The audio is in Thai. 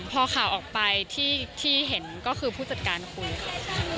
พอข่าวออกไปที่เห็นก็คือผู้จัดการคุยค่ะ